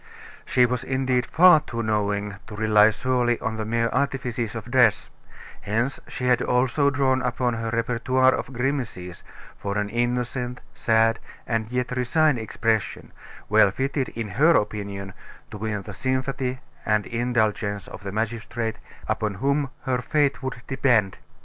She was indeed far too knowing to rely solely on the mere artifices of dress; hence, she had also drawn upon her repertoire of grimaces for an innocent, sad, and yet resigned expression, well fitted, in her opinion, to win the sympathy and indulgence of the magistrate upon whom her fate would depend.